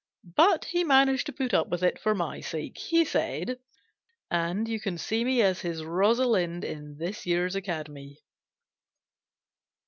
But he managed to put up with it for rny sake, he said, and you can see me as his Rosalind in this year's Academy.